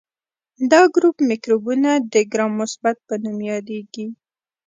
دا ګروپ مکروبونه د ګرام مثبت په نوم یادیږي.